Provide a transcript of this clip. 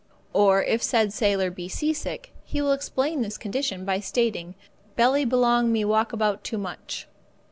Or if said sailor be seasick, he will explain his condition by stating, "Belly belong me walk about too much."